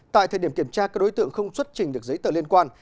tại thời điểm kiểm tra các đối tượng không xuất trình được giấy tờ liên quan